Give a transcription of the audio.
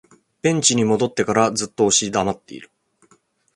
ベンチに戻ってからずっと押し黙っている